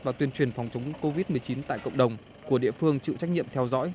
và tuyên truyền phòng chống covid một mươi chín tại cộng đồng của địa phương chịu trách nhiệm theo dõi